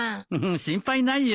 心配ないよ。